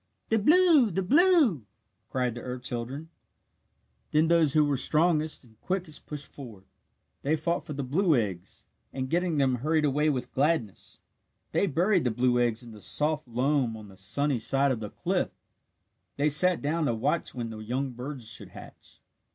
"The blue the blue!" cried the earth children. Then those who were strongest and quickest pushed forward. They fought for the blue eggs, and getting them hurried away with gladness. They buried the blue eggs in the soft loam on the sunny side of the cliff. They sat down to watch when the young birds should hatch.